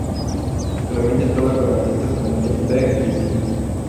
Actualmente toca con artistas como Jeff Beck y Sting.